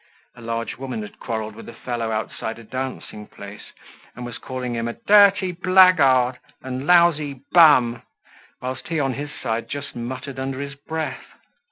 A large woman had quarreled with a fellow outside a dancing place, and was calling him "dirty blackguard" and "lousy bum," whilst he on his side just muttered under his breath.